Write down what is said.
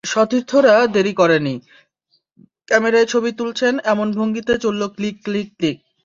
সতীর্থরাও দেরি করেনি, ক্যামেরায় ছবি তুলছেন এমন ভঙ্গিতে চলল ক্লিক ক্লিক ক্লিক।